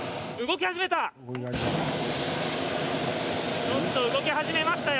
動き始めた。